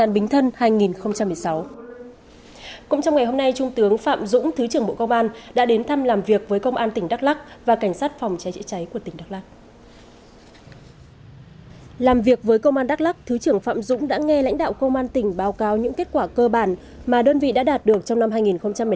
làm việc với công an đắk lắc thứ trưởng phạm dũng đã nghe lãnh đạo công an tỉnh báo cáo những kết quả cơ bản mà đơn vị đã đạt được trong năm hai nghìn một mươi tám